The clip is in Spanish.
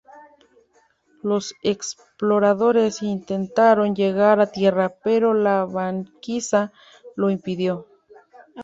Los exploradores intentaron llegar a tierra, pero la banquisa lo impidió.